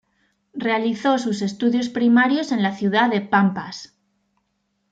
Realizó sus estudios primarios en la ciudad de Pampas.